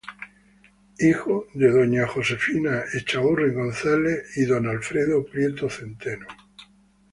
Hijo de don Alfredo Prieto Zenteno y doña Josefina Echaurren González.